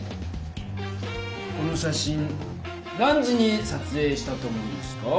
この写真何時にさつえいしたと思いますか？